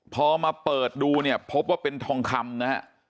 พอมาเปิดดูเนี่ยพบว่าเป็นทองคำนะฮะ